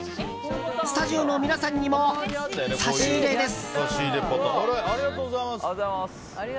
スタジオの皆さんにも差し入れです。